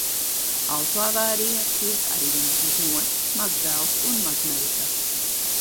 Autoavārijā cieta arī viņas znots, mazdēls un mazmeita.